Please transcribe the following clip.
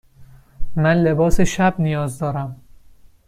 من لباس شب نیاز دارم.